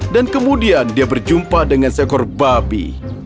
dan kemudian dia berjumpa dengan seekor babi